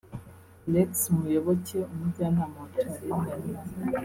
Alex Muyoboke umujyanama wa Charly na Nina